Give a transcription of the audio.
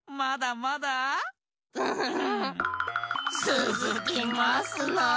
つづきますなあ！